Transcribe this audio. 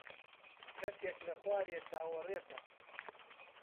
کەسێک لە خوارێ چاوەڕێتە.